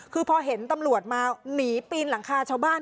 คือพอเห็นตำรวจมาหนีปีนหลังคาชาวบ้าน